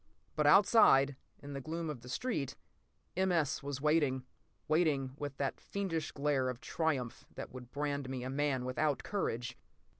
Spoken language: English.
p> But outside, in the gloom of the street, M. S. was waiting, waiting with that fiendish glare of triumph that would brand me a man without courage.